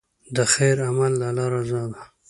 د خیر عمل د الله رضا ده.